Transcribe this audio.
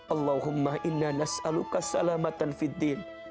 allahumma inna nas'aluka salamatan fid din